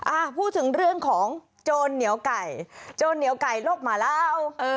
อ่าพูดถึงเรื่องของโจรเหนียวไก่โจรเหนียวไก่โลกหมาลาวเออ